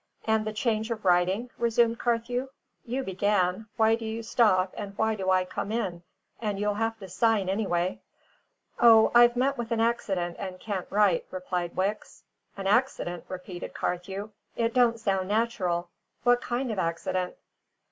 "And the change of writing?" resumed Carthew. "You began; why do you stop and why do I come in? And you'll have to sign anyway." "O! I've met with an accident and can't write," replied Wicks. "An accident?" repeated Carthew. "It don't sound natural. What kind of an accident?"